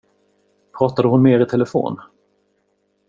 Pratade hon mer i telefon?